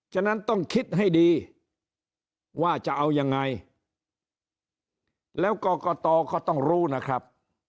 ฉะนั้นต้องคิดให้ดีว่าจะเอายังไงแล้วกรกตก็ต้องรู้นะครับ